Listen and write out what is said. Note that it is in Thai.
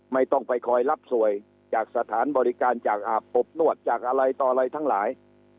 ไม่ต้องไปคอยรับสวยจากสถานบริการจากอาบอบนวดจากอะไรต่ออะไรทั้งหลาย